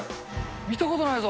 見たことないぞ。